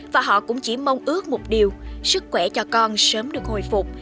và họ cũng chỉ mong ước một điều sức khỏe cho con sớm được hồi phục